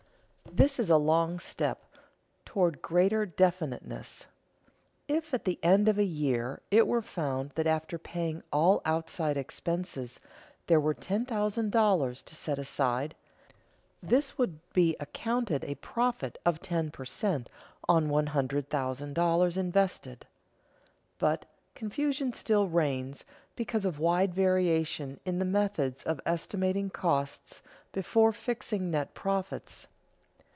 _ This is a long step toward greater definiteness. If at the end of a year it were found that after paying all outside expenses there were $10,000 to set aside, this would be accounted a profit of ten per cent. on $100,000 invested. But confusion still reigns because of wide variation in the methods of estimating costs before fixing net profits.